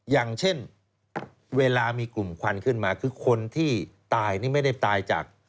อย่างเช่นเวลามีกลุ่มควันขึ้นมาคือคนที่ตายนี่ไม่ได้ตายจาก